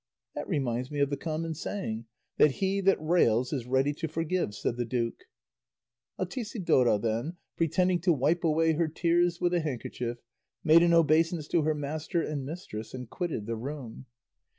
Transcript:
"That reminds me of the common saying, that 'he that rails is ready to forgive,'" said the duke. Altisidora then, pretending to wipe away her tears with a handkerchief, made an obeisance to her master and mistress and quitted the room.